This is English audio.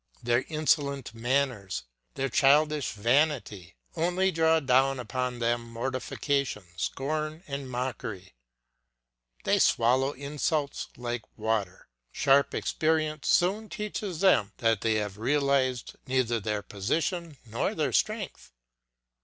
Their insolent manners, their childish vanity, only draw down upon them mortification, scorn, and mockery; they swallow insults like water; sharp experience soon teaches them that they have realised neither their position nor their strength.